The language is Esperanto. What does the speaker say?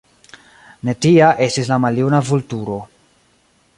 Ne tia estis la maljuna Vulturo.